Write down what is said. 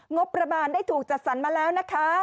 งบประมาณได้ถูกจัดสรรมาแล้วนะคะ